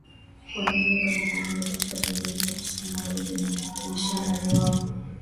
kuanza kazi pamoja katika Tanganyika KusiniMagharibi Wamisionari wao